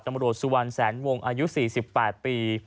ตำรวจสุวรรณแสนวงอายุ๔๘ปี